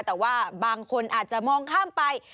แต่ว่าบางคนอาจจะมองข้ามไป